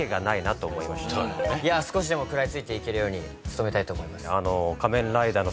少しでも食らいついていけるよう努めたいと思います。